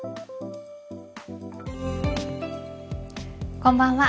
こんばんは。